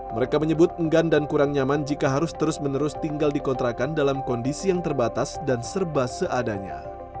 mereka menyebut enggan dan kurang nyaman jika harus terus menerus tinggal di kontrakan dalam kondisi yang terbatas dan serba seadanya